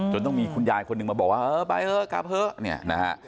จนต้องมีคุณยายคนหนึ่งมาบอกว่าไปเถอะกลับเถอะ